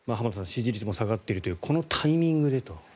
支持率も下がっているというこのタイミングでと。